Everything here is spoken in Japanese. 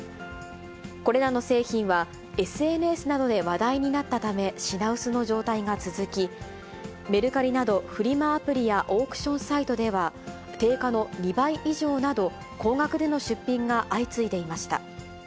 これらの製品は、ＳＮＳなどで話題になったため、品薄の状態が続き、メルカリなどフリマアプリやオークションサイトでは、定価の２倍以上など、高額での出品が相次いでいました。